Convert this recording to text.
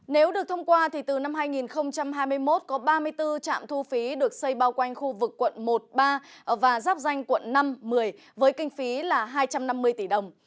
nếu được thông qua từ năm hai nghìn hai mươi một có ba mươi bốn trạm thu phí được xây bao quanh khu vực quận một ba và giáp danh quận năm một mươi với kinh phí là hai trăm năm mươi tỷ đồng